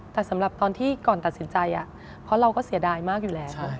แต่สำหรับตอนที่ก่อนตัดสินใจเพราะเราก็เสียดายมากอยู่แล้ว